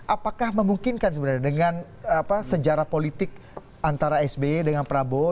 apakah memungkinkan sebenarnya dengan sejarah politik antara sby dengan prabowo